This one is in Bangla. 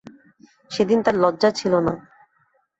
সেদিন তাঁর লজ্জা ছিল না।